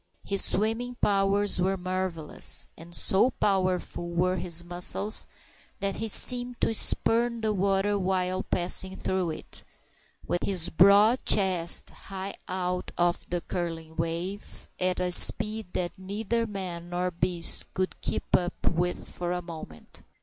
His swimming powers were marvellous, and so powerful were his muscles that he seemed to spurn the water while passing through it, with his broad chest high out of the curling wave, at a speed that neither man nor beast could keep up with for a moment.